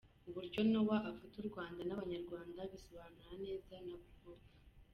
Uburyo Noah afata u Rwanda n’Abanyarwanda bisobanurwa neza na Prof.